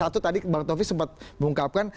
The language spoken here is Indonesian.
satu tadi bang taufik sempat mengungkapkan